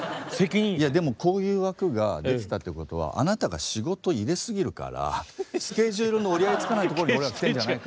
いやでもこういう枠ができたってことはあなたが仕事入れ過ぎるからスケジュールの折り合いつかないところに俺ら来てるんじゃない？